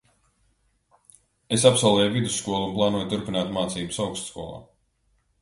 Es absolvēju vidusskolu un plānoju turpināt mācības augstskolā.